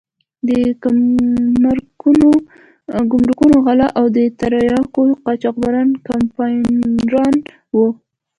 د ګمرکونو غله او د تریاکو قاچاقبران کمپاینران وو.